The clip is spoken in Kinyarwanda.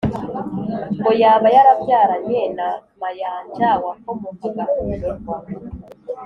ngo yaba yarababyaranye na Mayanja wakomokaga mu Ndorwa